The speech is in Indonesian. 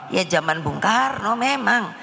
ya zaman bung karno memang